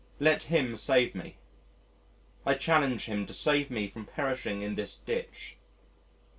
Let Him save me. I challenge Him to save me from perishing in this ditch....